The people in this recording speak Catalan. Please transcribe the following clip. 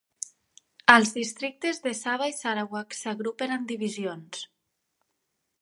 Als districtes de Sabah i Sarawak s'agrupen en "divisions".